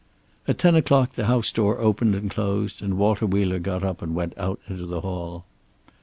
At ten o'clock the house door opened and closed, and Walter Wheeler got up and went out into the hall.